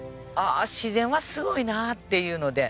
あ自然はすごいな！っていうので。